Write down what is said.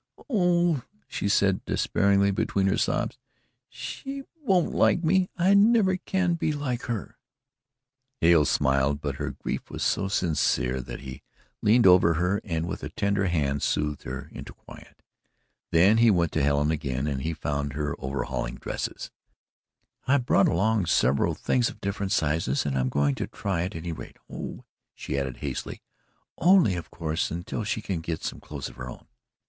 "Oh," she said despairingly, between her sobs, "she won't like me. I never can be like HER." Hale smiled, but her grief was so sincere that he leaned over her and with a tender hand soothed her into quiet. Then he went to Helen again and he found her overhauling dresses. "I brought along several things of different sizes and I am going to try at any rate. Oh," she added hastily, "only of course until she can get some clothes of her own."